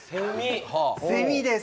セミです。